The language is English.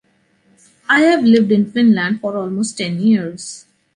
I have lived in Finland for almost ten years.